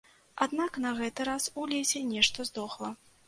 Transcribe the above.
Аднак на гэты раз у лесе нешта здохла.